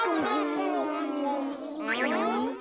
ん？